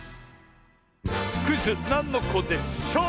クイズ「なんのこでショー」！